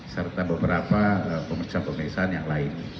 serta beberapa pemeriksaan pemeriksaan yang lain